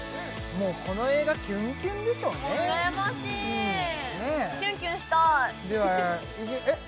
もうこの映画キュンキュンでしょうねもううらやましいキュンキュンしたいではえっ？